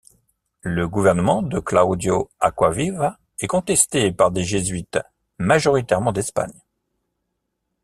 Le gouvernement de Claudio Acquaviva est contesté par des jésuites, majoritairement d’Espagne.